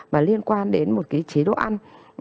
mà liên quan đến một cái chế độ ăn